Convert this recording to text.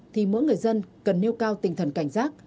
thì mỗi người dân cần nêu cao tinh thần cảnh giác